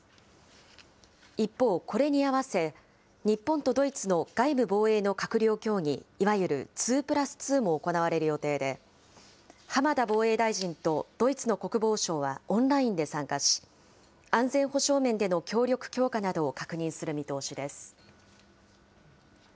一方、これに合わせ、日本とドイツの外務・防衛の閣僚協議、いわゆる２プラス２も行われる予定で、浜田防衛大臣とドイツの国防相はオンラインで参加し、安全保障面での協力強化などを確認する見通しです。